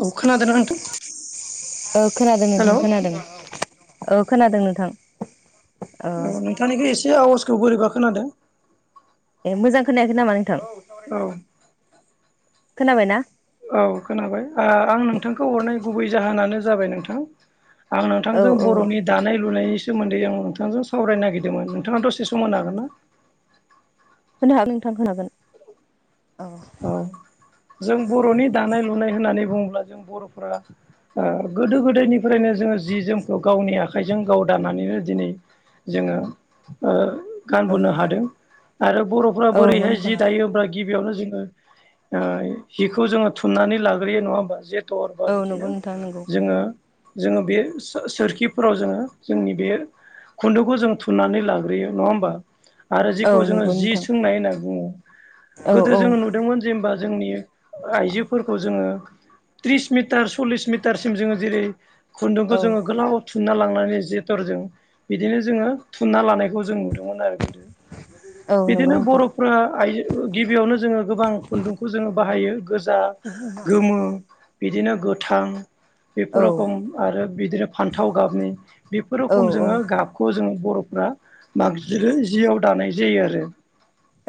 औ खोनादोंना नोंथां ओ खोनादों हेलौ नोंथां खोनादों औ खोनादों नोंथां औ अ नोंथांनिखौ एसे आवाजखौ बोरैबा खोनादों ए मोजां खोनायाखै नामा नोंथां औ खोनाबायना औ खोनाबाय आ आं नोंथांखौ हरनाय गुबै जाहोनानो जाबाय नोंथां आं औ नोंथांजों औ बर'नि दानाय लुनायनि सोमोन्दै आं नोंथांजों सावरायनो नागिरदोंमोन नोंथाङा दसे सम मोन हागोनना होनो हागोन नोंथां होनो हागोन औ औ जों बर'नि दानाय लुनाय होननानै बुङोब्ला जों बर'फोरा गोदो गोदायनिफ्रायनो जोङो जि जोमखौ गावनि आखाइजों गाव दानानैनो दिनै जोङो ओ गानबोनो हादों आरो बर'फ्रा औ नंगौ बोरैहाय नोंथां जि दायो होनब्ला गिबियावनो जोंङो ओ हिखौ जोंङो थुमनानै लाग्रोयो नङा होमबा जेथर बा औ नंगौ बिदिनो नोंथां नंगौ जोङो जोङो बे सोरखिफोराव जोंङो जोंनि बे खुन्दुंखौ जों थुनानै लाग्रोयो नंङा होमबा आरो औ जेखौ जोंङो नंगौ जि नोंथां सोंनाय होनना बुङो औ औ गोदो जोंङो नु दोंमोन जेनेबा जोंनि आइजोफोरखौ जोंङो त्रिस मिटार सल्लिस मिटारसिम जोंङो जेरै औ खुन्दुंखौ जोंङो गोलाव थुना लांनानै जेथरजों बिदिनो जोंङो थुना लानायखौ जों नुदोंमोन आरो गोदो नंगौ बिदिनो नोंथां बर'फ्रा आइजो गिबियावनो जोङो गोबां खुन्दुंखौ जोङो बाहायो गोजा गोमो बिदिनो गोथां बेफोर औ रखम आरो बिदिनो फान्थाव गाबनि बेफोर औ रखम जोंङो गाब खौ जोंङो बर'फ्रा माग जियाव दानाय जायो आरो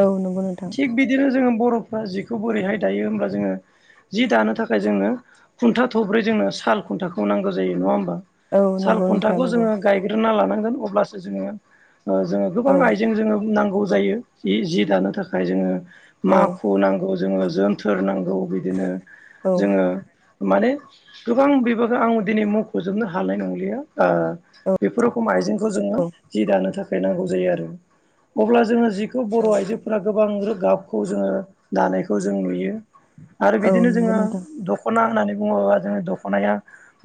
औ नंगौ नोंथां थिग बिदिनो जोंङो बर'फ्रा जिखौ बोरैहाय दायो होनब्ला जोंङो जि दानो थाखाय जोंनो खुन्था थब्रै जोंनो साल खुन्थाखौ नांगौ जायो नङा होमबा औ साल नंगौ नोंथां खुन्थाखौ नंगौ जोङो गायग्रोना लानांगोन अब्लासो जोङो ओ जोङो औ गोबां आइजें जोङो नांगौ जायो जि जि दानो थाखाय जोङो औ माखु नांगौ जोङो जोनथोर नांगौ बिदिनो औ जोङो माने गोबां बेबागो आं दिनै मखजोबनो हानाय नंलिया ओ बेफोर रखम आइजेंखौ जोङो जि दानो थाखाय नांगौ जायो आरो अब्ला जोङो जि खौ बर' औ आइजोफोरा गोबां रो गाबखौ जोङो दानायखौ जों नुयो आरो औ बिदिनो नंगौ जोङो नोंथां दखना होननानै बुङोबा जोङो दखनाया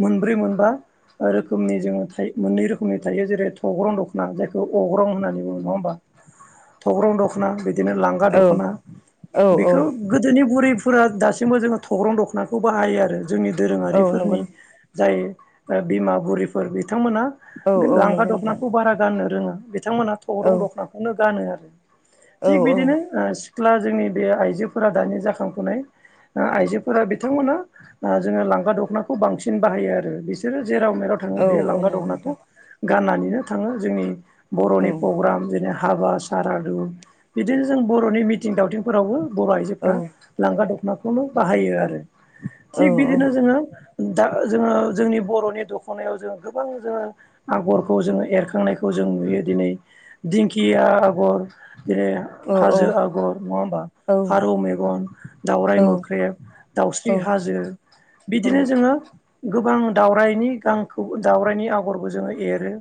मोनब्रै मोनबा रोखोमनि जोङो थायो मोननै रोखोमनि थायो जेरै थग्रं दखना जायखौ अग्रं होननानै बुङो नङा होमबा थग्रं दखना बिदिनो लांगा औ दखना औ औ बेखौ गोदोनि बुरैफोरा दासिमबो जोङो थग्रं दखनाखौ बाहायो आरो जोंनि औ नंगौ दोरोङारिफोरनि जाय बिमा बुरिफोर बिथांमोना औ औ लांगा नंगौ नोंथां दखनाखौ बारा गाननो रोङा बिथांमोनहा औ थग्रं दखनाखौनो गानो आरो औ थिग औ बिदिनो ओ सिख्ला जोंनि बे आइजोफोरा दानि जाखांफुनाय आइजोफोरा बिथांमोना आ जोङो लांगा दखनाखौ बांसिन बाहायो आरो बिसोरो जेराव मेराव औ थाङो बे औ लांगा नंगौ दखनाखौ नोंथां गाननानैनो थाङो जोंनि औ बर'नि प्रग्राम जेने हाबा सारादु बिदिनो जों बर'नि मिथिं दावथिंफोरावबो बर' औ आइजोफ्रा लांगा दखनाखौनो बाहायो आरो औ थिग बिदिनो जोङो दा जोङो जोंनि बर'नि दखनायाव जों गोबां जोङो आगरखौ जोङो एरखांनायखौ जों नुयो दिनै दिंखिया आगर जेरै औ औ हाजो आगर नङा होमबा फारौ मेगन दावराय मोख्रेब दाउस्रि औ हा हाजो बिदिनो जोङो गोबां दाउराइनि गांखौ दाउराइनि आगरबो जोङो एरो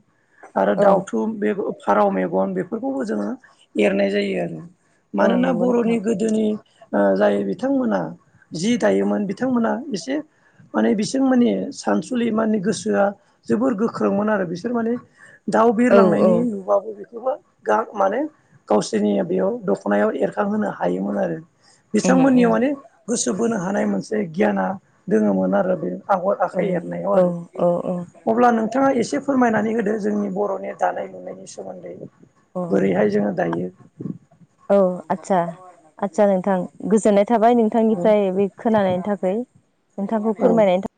आरो दाउथु बे फारौ मेगन बेफोरखौबो जोङो एरनाय जायो आरो औ मानोना नंगौ बर'नि नोंथां गो--दो गोदोनि जाय बिथांमोना जि दायोमोन बिथांमोना एसे माने बिसोर माने सानसुलि माने गोसोआ जोबोर गोख्रोंमोन आरो बिसोर माने दाउ औ औ बिरलांनायनि [unintelligible] नुबाबो बेखौबो गाब माने गावसोरनि बेयाव दखना दखनायाव एरखांहोनो हायोमोन आरो उम बिथांमोननियाव माने गोसो बोनो हानाय मोनसे गियाना दोङोमोन आरो बे आगर उम औ आखाइ एरनायाव आरो औ औ अ अब्ला नोंथाङा एसे फोरमायनानै होदो जोंनि बर'नि दानाय लुनायनि सोमोन्दै औ बोरैहाय जोङो दायो औ आदसा आदसा नोंथां गोजोननाय थाबाय नों औ नोंथांनिफ्राय बे खोनानायनि थाखाय नोंथांखौ औ फोरमायनायनि थाखाय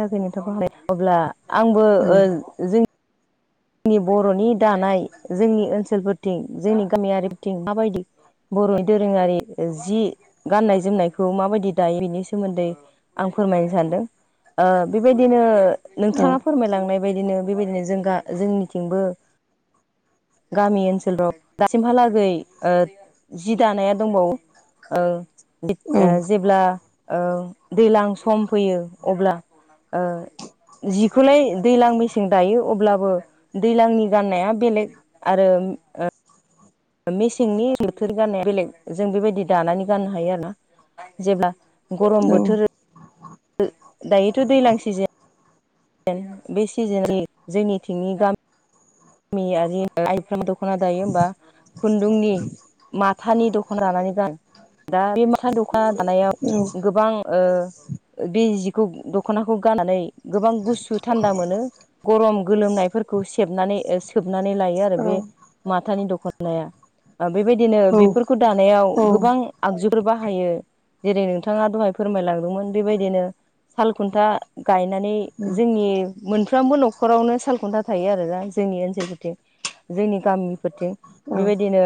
गोजोनि थाबाय [unintelligible] अब्ला आंबो औ जों नि बर'नि दानाय जोंनि ओनसोलफोरथिं जोंनि गामियारिफोरथिं माबायदि बर'नि दोरोङारि जि गाननाय जोमनायखौ माबायदि दायो बेनि सोमोन्दै आं फोरमायनो सानदों ओ बेबायदिनो औ नोंथाङा फोरमायलांनाय बायदिनो बेबायदिनो जों गा जोंनिथिंबो गामि ओनसोलाव दासिमहालागै ओ जि दानाया दंबावो ओ औ [unintelligible] जेब्ला औ दैज्लां सम फैयो अब्ला ओ जिखौलाय दैज्लां मेसें दायो अब्लाबो दैज्लां नि गाननाया बेलेग आरो मेसेंनि बोथोर [unintelligible] गाननाया बेलेग जों बेबायदि दानानै गाननो हायो आरोना जेब्ला गरम बोथोर दायोथ' दैज्लां सिजेन सिजेन [unintelligible] बे सिजेननि जोंनिथिंनि गामि गामियारि आइफ्रा दख'ना दायो होनबा खुन्दुंनि माखु माथानि दख'ना दानानै गानो दा बे माथा दख'ना दानायाव गोबां बे जिखौ दख'नाखौ गाननानै गोबां गुसु थान्दा मोनो गरम गोलोमनाय खौ सेबनानै सोबनानै लायो आरो बे माथानि दखनाया बेबायदिनो बेफोरखौ दानायाव गोबां आगजुफोर बाहायो जेरै नोंथाङा दहाय फोरमायलांदोंमोन बेबायदिनो साल खुन्था गायनानै जोंनि मोनफ्रोमबो न'खरावनो साल खुन्था थायो आरोना जोंनि ओनसोलफोरथिं जोंनि गामिफोरथिं बेबायदिनो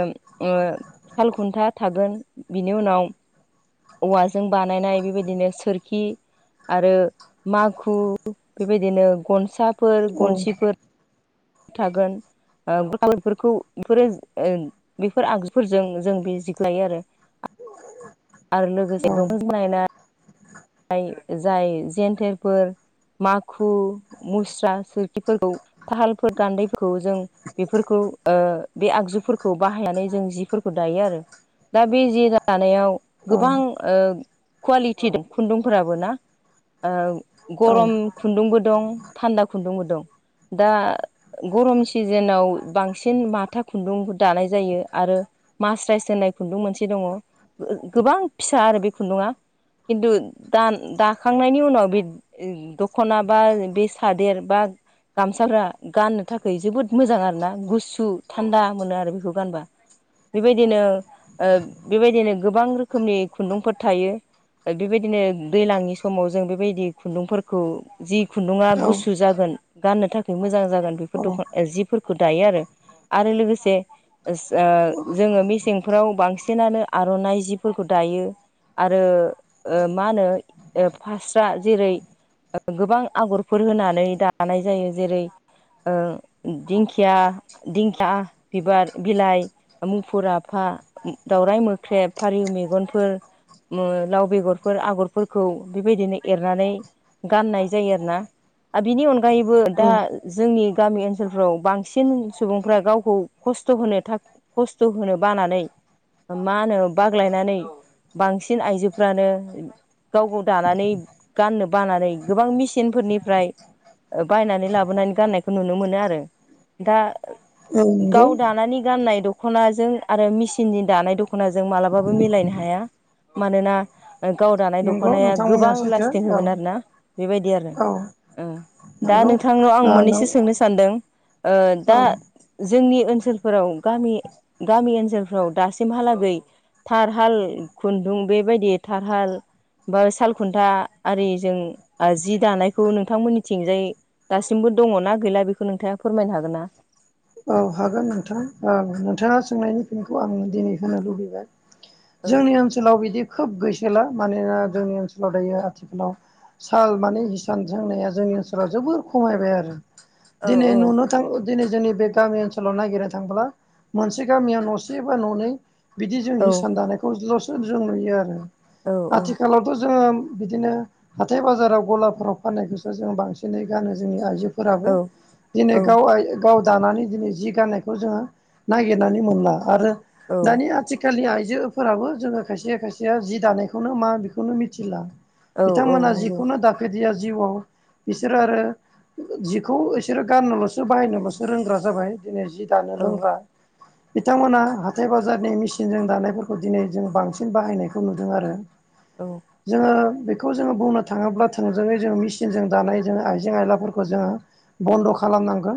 साल खुन्था थागोन बिनि उनाव औवाजों बानायनाय बेबायदिनो सोरखि आरो माखु बेबायदिनो गनसाफोर गनसिफोर थागोन बेफोरखौ बेफोरो [unintelligible] बेफोर आगजुफोरजों जों बे जि दायो आरो आरो लोगोसे दंफां जों बानायनाय [inaudible] [unintelligible] जाय जेन्थेरफोर माखु मुस्रा सोरखिफोरखौ तात सालफोर गान्दैफोरखौ जों बेफोरखौ बे आगजुफोरखौ बाहायनानै जों जिफोरखौ फोर दायो आरो दा बे जे दानायाव गोबां कुवालिटि दं खुन्दुंफोराबो ना गरम खुन्दुंबो दं थान्दा खुन्दुंबो दं दा गरम सिजेनाव बांसिन माथा खुन्दुं दानाय जायो आरो मासराइस होननाय खुन्दुं मोनसे दङ गोबां फिसा आरो बे खुन्दुङा खिन्थु दा दाखांनायनि उनाव बे दख'ना बा बे सादेर बा गामसाफ्रा गाननो थाखाय जोबोद मोजां आरोना गुसु थान्दा मोनो आरो बेखौ गानबा बेबायदिनो ओ बेबायदिनो गोबां रोखोमनि खुन्दुंफोर थायो ओ बेबायदिनो दैलांनि समाव जों बेबायदि खुन्दुंफोरखौ जि खुन्दुङा औ गुसु जागोन गाननो थाखाय मोजां जागोन बेफोर औ औ दख जि फोरखौ दायो आरो आरो लोगोसे ओ जोङो मेसेंफ्राव बांसिनानो आर'नाइ जिफोरखौ दायो आरो ओ मा होनो फास्रा जेरै गोबां आगरफोर होनानै दानाय जायो जेरै ओ दिंखिया दिंखिया बिबार बिलाइ मुफुर आफा दावराइ मोख्रेब फारौ मेगनफोर मु लाव बेगरफोर आगरफोरखौ बेबायदिनो एरनानै गाननाय जायो आरो ना आरो बिनि अनगायैबो दा औ जोंनि गामि ओनसोलफ्राव बांसिन सुबुंफ्रा गावखौ खस्थ' होनो था खस्थ' होनो बानानै मा होनो बाग्लायनानै बांसिन आइजोफ्रानो गाव गाव दानानै गाननो बानानै गोबां मेसिनफोरनिफ्राय ओ बायनानै लाबोनानै गाननायखौ नुनो मोनो आरो दा नंगौ गाव दानानै गाननाय द दख'नाजों आरो मेसिननि दानाय दख'नाजों मालाबाबो मिलायनो हाया मानोना गाव दानाय नंगौ दख'नाया नोंथांमोना गोबां सैथो लास्टिं औ होगोन आरो ना बेबायदि आरो औ उम दा नंगौ नोंथांनाव आं ओ नों मोननैसो सोंनो सानदों ओ औ दा जोंनि ओनसोलफोराव गामि गामि ओनसोलफोराव दासिमहालागै थारहाल खुन्दुं बेबायदि थारहाल बा साल खुन्था आरि जों जि दानायखौ नोंथांमोननि थिंजाय दासिमबो दङ'ना गैला बेखौ नोंथाङा फोरमायनो हागोन ना औ हागोन नोंथां औ नोंथाङा सोंनायनि फिनखौ आं दिनै होनो लुबैबाय औ जोंनि ओनसोलाव बिदि खोब गैसोला मानोना जोंनि ओनसोलाव दायो आथिखालाव साल माने हिसान सोंनाया जोंनि ओनसोलाव जोबोर खमायबाय आरो औ दिनै नुनो थां दिनै जोंनि बे गामि ओनसोलाव नायगिरनो थांब्ला मोनसे गामियाव न'से बा न'नै बिदि जों औ हिसान दानाय खौल'सो जों नुयो आरो औ आथिखालावथ' जोङो बिदिनो हाथाय बाजाराव गलाफोराव फाननायखौसो जों बांसिनै गानो जोंनि आइजो फोराबो औ दिनै औ गाव गाव दानानै दिनै जि गाननायखौ जोङो नागिरनानै मोनला आरो औ दानि आथि थिखालनि आइजोफोराबो जोङो खायसे खायसेया जि दानायखौनो मा बेखौनो मिथिला औ औ बिथांमोना नंगौ जिखौनो दाफेरदिया जिउआव बिसोरो आरो जिखौ बिसोरो गाननोल'सो बाहायनोल'सो रोंग्रा जाबाय दिनै जि दानो औ रोंला बिथांमोनहा हाथाय बाजारनि मेसिनजों दानायफोरखौ दिनै जों बांसिन बाहायनायखौ नुदों आरो औ जोङो बेखौ जोङो बुंनो थाङोब्ला थोंजोङै जोङो मेसिनजों दानाय जोङो आइजें आयलाफोरखौ जोङो बन्द' खालामनांगोन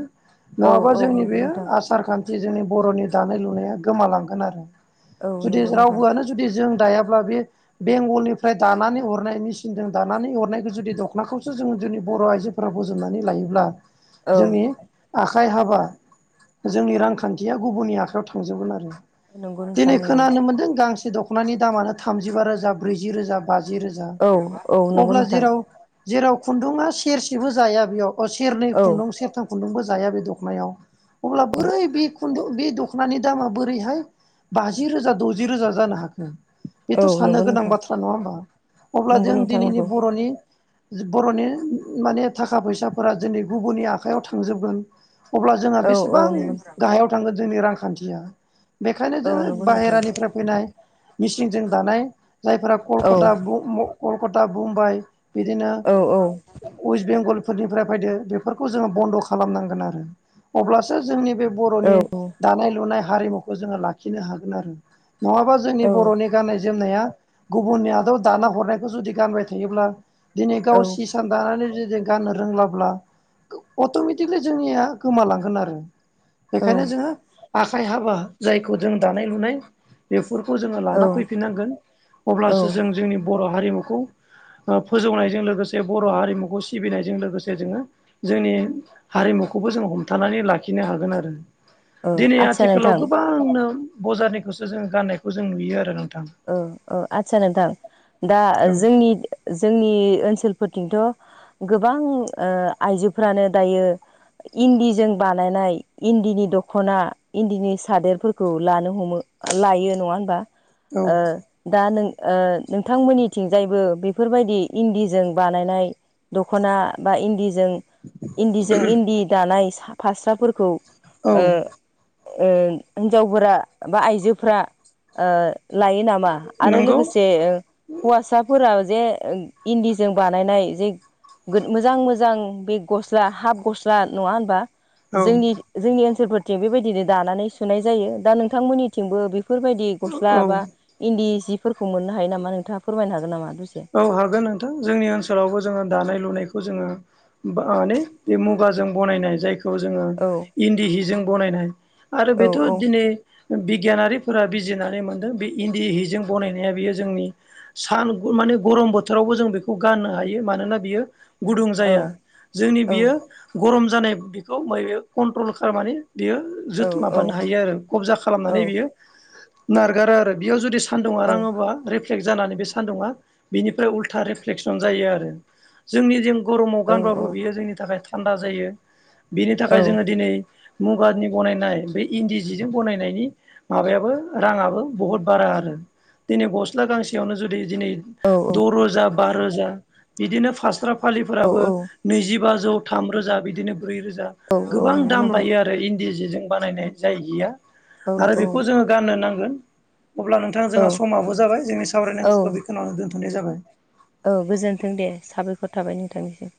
औ नङाबा औ जोंनि नंगौ बेयो नोंथां आसार खान थि जोंनि बर'नि दानाय लुनाया गोमालांगोन आरो औ जुदि नंगौ नोंथां रावबोआनो जुदि जों दायाब्ला बे बेंगलनिफ्राय दानानै हरनाय मेसिनजों दानानै हरनायखौ जुदि दख'नाखौसो जों जुदि बर' आइजो फोरा बजबनानै लायोब्ला औ जोंनि आखाय हाब बा जोंनि रांखान्थिया गुबुननि आखायाव थांजोबगोन आरो नंगौ नोंथां दिनै नंगौ खोनानो मोन्दों गांसे दख'नानि दामानो थामजिबा रोजा ब्रैजि रोजा बाजि रोजा औ औ नंगौ अब्ला नोंथां जेराव जेराव खुन्दुङा सेरसेबो जाया बेयाव सेरनै औ खुन्दुं सेरथाम खुन्दुंबो जाया बे दखना अब्ला बोरै बे खुन्दुं बे दखनायाव दखनानि दामा बोरैहाय बाजि रोजा द'जि रोजा जानो हाखो औ बेथ' साननो नंगौ गोनां नोंथां बाथ्रा नङा होमबा अब्ला नंगौ जों नोंथां दिनैनि नंगौ बर'नि बर'नि माने थाखा फैसाफोरा दिनै गुबुननि आखायाव थांजोबगोन अब्ला जोंहा औ औ बेसेबां नंगौ गाहायाव थांगोन जोंनि रांखान्थिया बेखायनो औ जोङो नंगौ नोंथां बाहेरानिफ्राय फैनाय मिसिंजों दानाय जायफोरा औ कलकाता कलकाता बुम्बाइ बिदिनो औ औ वेस्ट बेंगलफोरनिफ्राय फैदो बेफोरखौ जोङो बन्द' खालामनांगोन आरो अब्लासो जोंनि बे औ बर'नि दानाय लुनाय हारिमुखौ जोङो लाखिनो हागोन आरो नङाबा जोंनि बर'नि गनाय जोमनाया गुबनि [unintelligible] व दाना हरनायखौ जुदि गानबाय थायोब्ला दिनै गाव औ हिसान दानानै जुदि गाननो रोंलाब्ला अट'मेटिकलि जोंनिया गोमालांगोन आरो बेखायनो जोङो आखाइ हाबा जायखौ जों दानाय लुनाय बेफोरखौ जोङो औ लाना फैफिननांगोन औ अब्लासो जों जोंनि बर' हारिमुखौ ओ फोजौनायजों लोगोसे बर' हारिमुखौ सिबिनायजों लोगोसे जोङो जोंनि हारिमुखौबो जों हमथानानै लाखिनो हागोन आरो औ दिनै आदसा नोंथां आथिखालाव गोबांनो बजारनिखौसो जो गाननायखौ जों नुयो आरो नोंथां औ औ आदसा नोंथां दा औ जोंनि जोंनि ओनसोलफोरथिंथ' गोबां ओ आइजोफ्रानो दायो इन्दिजों बानायनाय इन्दिनि दख'ना इन्दिनि सादेरफोरखौ लानो हमो लायो नङा होनबा औ ओ दा नों ओ नोंथांमोननिथिंजायबो बेफोरबायदि इन्दिजों बानायनाय दख'ना बा इन्दिजों इन्दिजों इन्दि दानाय फास्राफोरखौ औ ओ हिनजावफोरा बा आइजोफ्रा लायो नामा आरो नंगौ लोगोसे हौवासाफोरा जे इन्दिजों बानायनाय जे मोजां मोजां बे गस्ला हाफ गस्ला नङा होनबा औ जोंनि जोंनि ओनसोलफोरथिं बेबायदिनो दानानै सुनाय जायो दा नोंथांमोननि थिंबो बेफोरबायदि गस्ला औ बा इन्दि सिफोरखौ मोननो हायो नामा नोंथाङा फोरमायनो हागोन नामा दसे औ हागोन नोंथां जोंनि ओनसोल ओनोलावबो जोङो दानाय लुनायखौ जोङो माने बे मुगाजों बनाय जायखौ खौ जोंङो औ इन्दि हिजों बनायनाय आरो औ बेथ' औ दिनै बिगियानारिफोरा बिजिनानै मोन्दों बे इन्दि हिजों बनायनाया बेयो जोंनि सान माने गरम बोथोरावबो जों बेखौ गाननो हायो मानोना बियो गुदुं औ जाया जोंनि औ बियो गरम जानाय बेखौ [unintelligible] कन्ट्रल खालामनानै बियो औ औ माबानो हायो आरो गबजा खालामनानै औ बियो नारगारा आरो बेयाव जुदि सान्दुंङा औ राङोबा रिफ्लेक्ट जानानै बे सान्दुंङा बेनिफ्राय उल्था रिफ्लेकसन जायो आरो जोंनि जों गरमाव औ गानबाबो बियो जोंनि थाखाय थान्दा जायो बिनि औ थाखाय जोङो दिनै मुगानि बनायनाय बे इन्दि जिजों बनायनायनि माबायाबो राङाबो बहुद बारा आरो दिनै गस्ला गांसेयावनो जुदि दिनै द रोजा बा रोजा बिदिनो फास्रा औ फालिफोराबो औ नैजिबाजौ थाम रोजा बिदिनो ब्रै रोजा गोबां नंगौ दाम नोंथां लायो आरो दा इन्दि जे जों बानायनाय जाय गैया औ आरो बेखौ जोङो गाननो नांगोन अब्ला नोंथ थां जोंहा औ समाबबो जाबाय जोंनि औ सावरायनांगौखौ बेखिनियावनो दोन्थ'नाय जाबाय औ गोजोन्थों दे साबायखर थाबाय नोंथांनिसिम